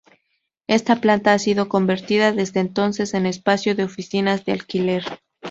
Esta planta ha sido convertida desde entonces en espacio de oficinas de alquiler.